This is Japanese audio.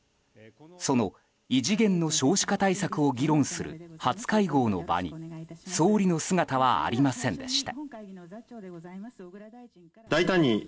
その異次元の少子化対策を議論する初会合の場に総理の姿はありませんでした。